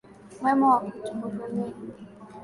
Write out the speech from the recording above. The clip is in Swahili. Mwema Wakutuhurumia